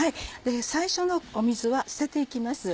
最初の水は捨てていきます。